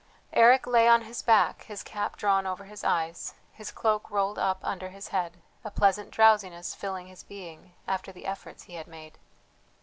Eric lay on his back, his cap drawn over his eyes, his cloak rolled up under his head, a pleasant drowsiness filling his being after the efforts he had made.